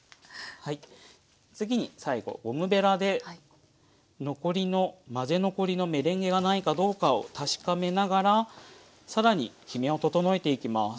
次に最後ゴムべらで残りの混ぜ残りのメレンゲがないかどうかを確かめながら更にきめを整えていきます。